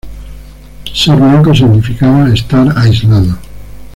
Ser blanco significaba estar aislado".